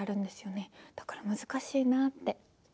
だから難しいなって。